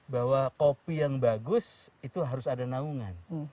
bahwa kopi yang bagus itu harus ada naungan